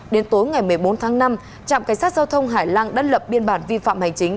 đến tối ngày một mươi bốn tháng năm trạm cảnh sát giao thông hải lăng đã lập biên bản vi phạm hành chính